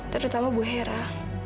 terutama bu yara